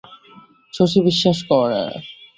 শশী বিশ্বাস করে না।